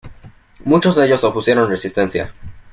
Muchos de ellos opusieron resistencia.